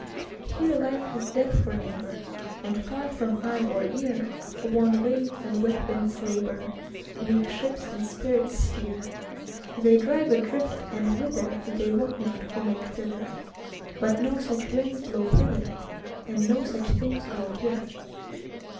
Here life has death for neighbor, And far from eye or earWan waves and wet winds labor, Weak ships and spirits steer; They drive adrift, and whitherThey wot not who make thither; But no such winds blow hither, And no such things grow here.